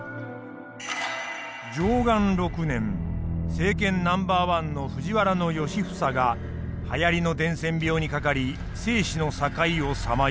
政権ナンバー１の藤原良房がはやりの伝染病にかかり生死の境をさまよう。